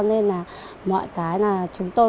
nên là mọi cái là chúng tôi